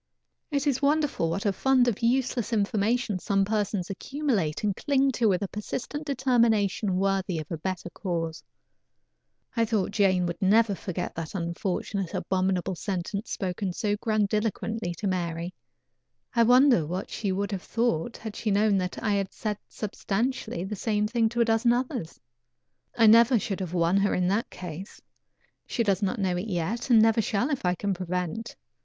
It is wonderful what a fund of useless information some persons accumulate and cling to with a persistent determination worthy of a better cause. I thought Jane never would forget that unfortunate, abominable sentence spoken so grandiloquently to Mary. I wonder what she would have thought had she known that I had said substantially the same thing to a dozen others. I never should have won her in that case. She does not know it yet, and never shall if I can prevent.